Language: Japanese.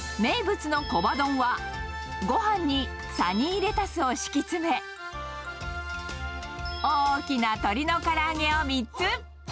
名物のコバ丼は、ごはんにサニーレタスを敷き詰め、大きな鶏のから揚げを３つ。